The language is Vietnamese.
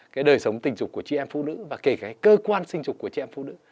cái đời sống tình dục của chị em phụ nữ và kể cả cơ quan sinh dục của chị em phụ nữ